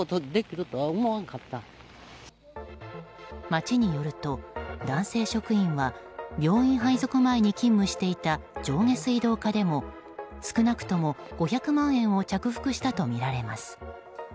町によると、男性職員は病院配属前に勤務していた上下水道課でも少なくとも５００万円を着服したとみられます。